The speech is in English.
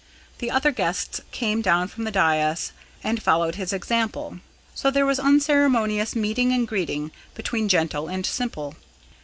The other guests came down from the dais and followed his example, so there was unceremonious meeting and greeting between gentle and simple.